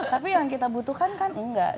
tapi yang kita butuhkan kan enggak